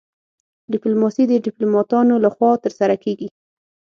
ډیپلوماسي د ډیپلوماتانو لخوا ترسره کیږي